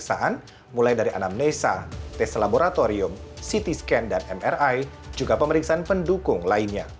pemeriksaan mulai dari anamnesa tes laboratorium ct scan dan mri juga pemeriksaan pendukung lainnya